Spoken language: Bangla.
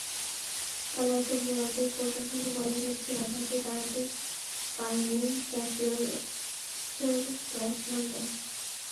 তালওয়াসের বোলারদের পরিসংখ্যানই বলে দিচ্ছে, ব্যাট হাতে দাঁড়াতেই পারেননি প্যাট্রিয়টসের ব্যাটসম্যানরা।